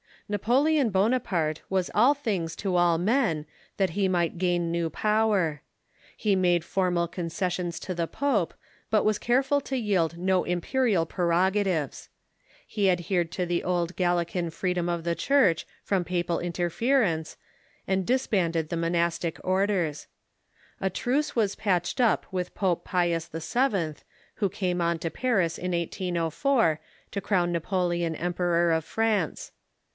Napoleon Bonaparte was all things to all men, that he might gain new power. He made formal concessions to the pope, but "was careful to yield no imperial prerogatives. He adhered to the old Galilean freedom of the Church.from papal interfer FRENCH PROTESTANTISM 341 ence, and disbanded the monastic orders. A truce was patched up with Pope Pius VII., M'ho came on to Paris in 1804, to crown Xapoleon Em])eror of France.